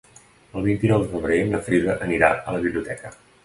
El vint-i-nou de febrer na Frida anirà a la biblioteca.